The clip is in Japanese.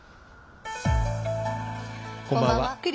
こんばんは。